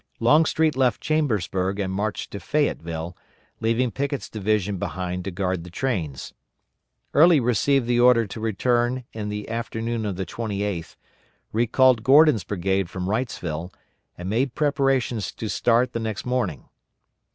Longstreet left Chambersburg and marched to Fayetteville, leaving Pickett's division behind to guard the trains. Early received the order to return in the afternoon of the 28th, recalled Gordon's brigade from Wrightsville, and made preparations to start the next morning.